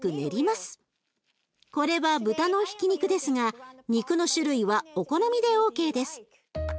これは豚のひき肉ですが肉の種類はお好みでＯＫです。